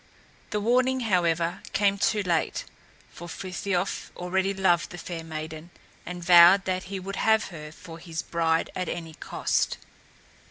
The warning, however, came too late, for Frithiof already loved the fair maiden, and vowed that he would have her for his bride at any cost.